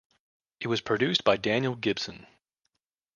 It was produced by Daniel Gibson.